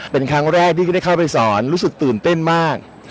เป็นครั้งแรกที่ก็ได้เข้าไปสอนรู้สึกตื่นเต้นมาก